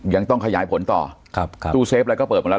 ยังต้องขยายผลต่อครับตู้เซฟอะไรก็เปิดมาแล้ว